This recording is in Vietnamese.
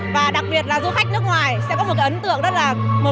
và đặc biệt là du khách nước ngoài sẽ có một kỷ niệm đáng nhớ